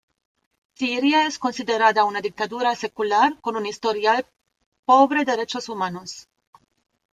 Siria es considerada una dictadura secular con un historial pobre derechos humanos.